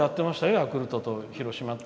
ヤクルトと広島と。